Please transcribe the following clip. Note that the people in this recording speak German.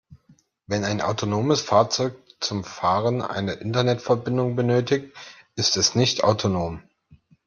Wenn ein autonomes Fahrzeug zum Fahren eine Internetverbindung benötigt, ist es nicht autonom.